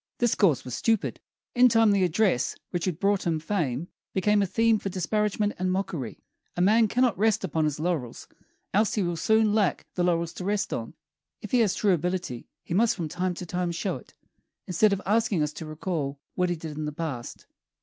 This course was stupid; in time the address which had brought him fame became a theme for disparagement and mockery. A man cannot rest upon his laurels, else he will soon lack the laurels to rest on. If he has true ability, he must from time to time show it, instead of asking us to recall what he did in the past.